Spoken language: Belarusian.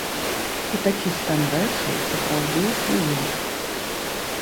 І такі стан рэчаў сапраўды існуе.